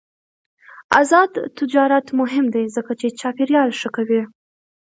آزاد تجارت مهم دی ځکه چې چاپیریال ښه کوي.